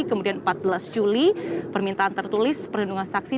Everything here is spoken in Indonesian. kemudian empat belas juli permintaan tertulis perlindungan saksi